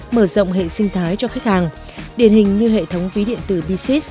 mở rộng hệ sinh thái cho khách hàng điển hình như hệ thống quý điện tử pc